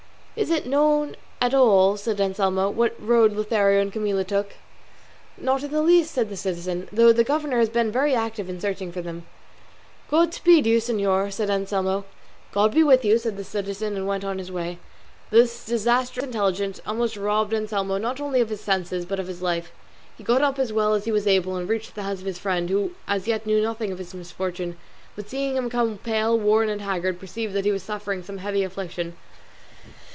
'" "Is it known at all," said Anselmo, "what road Lothario and Camilla took?" "Not in the least," said the citizen, "though the governor has been very active in searching for them." "God speed you, señor," said Anselmo. "God be with you," said the citizen and went his way. This disastrous intelligence almost robbed Anselmo not only of his senses but of his life. He got up as well as he was able and reached the house of his friend, who as yet knew nothing of his misfortune, but seeing him come pale, worn, and haggard, perceived that he was suffering some heavy affliction.